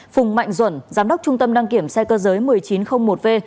phùng mạnh duẩn giám đốc trung tâm đăng kiểm xe cơ giới một nghìn chín trăm linh một v